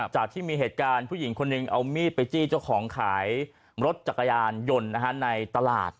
จากที่มีเหตุการณ์ผู้หญิงคนหนึ่งเอามีดไปจี้เจ้าของขายรถจักรยานยนต์ในตลาด